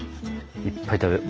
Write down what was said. いっぱい食べよ。